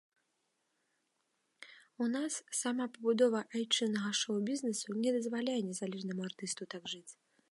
У нас сама пабудова айчыннага шоу-бізнесу не дазваляе незалежнаму артысту так жыць.